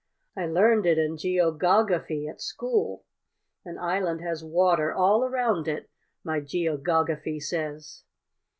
"I learned it in geogogafy at school. An island has water all around it, my geogogafy says."